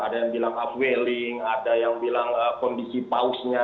ada yang bilang upwelling ada yang bilang kondisi pausnya